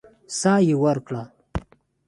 سا يې ورکړه.